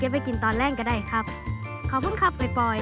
พูดครับ